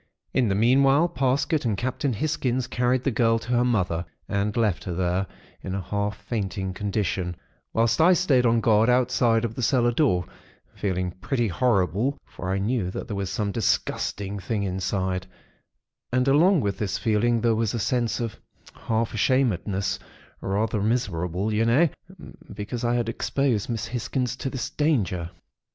In the meanwhile, Parsket and Captain Hisgins carried the girl to her mother, and left her there, in a half fainting condition; whilst I stayed on guard outside of the cellar door, feeling pretty horrible, for I knew that there was some disgusting thing inside; and along with this feeling there was a sense of half ashamedness, rather miserable you know, because I had exposed Miss Hisgins to this danger.